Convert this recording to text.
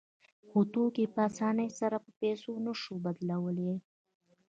خو توکي په اسانۍ سره په پیسو نشو بدلولی